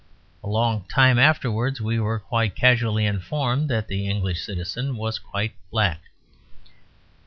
A long time afterwards we were quite casually informed that the English citizen was quite black.